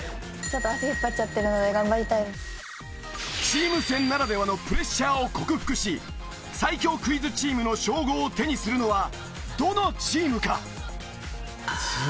チーム戦ならではのプレッシャーを克服し最強クイズチームの称号を手にするのはどのチームか！？